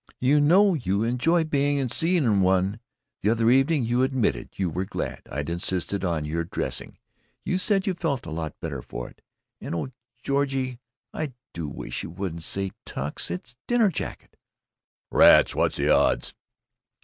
"You know you enjoy being seen in one. The other evening you admitted you were glad I'd insisted on your dressing. You said you felt a lot better for it. And oh, Georgie, I do wish you wouldn't say 'Tux.' It's 'dinner jacket.'" "Rats, what's the odds?"